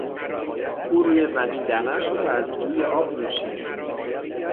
او روی زمین دمر شد و از جوی آب نوشید.